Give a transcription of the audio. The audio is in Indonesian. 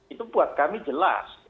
itu buat kami jelas